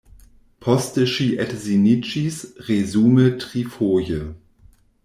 Poste ŝi edziniĝis, resume trifoje.